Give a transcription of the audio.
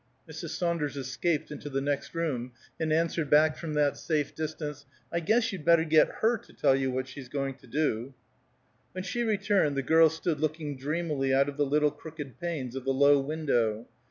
Mrs. Saunders escaped into the next room, and answered back from that safe distance, "I guess you'd better get her to tell you what she's going to do." When she returned, the girl stood looking dreamily out of the little crooked panes of the low window.